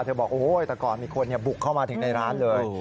บอกโอ้ยแต่ก่อนมีคนบุกเข้ามาถึงในร้านเลย